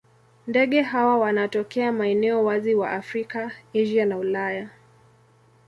Ndege hawa wanatokea maeneo wazi wa Afrika, Asia na Ulaya.